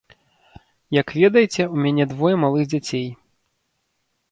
Як ведаеце, у мяне двое малых дзяцей.